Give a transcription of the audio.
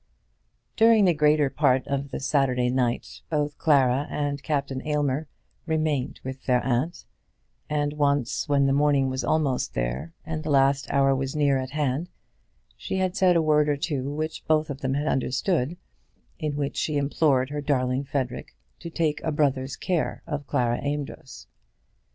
During the greater part of the Saturday night both Clara and Captain Aylmer remained with their aunt; and once when the morning was almost there, and the last hour was near at hand, she had said a word or two which both of them had understood, in which she implored her darling Frederic to take a brother's care of Clara Amedroz.